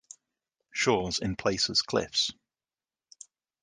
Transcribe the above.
Shores in places cliffs.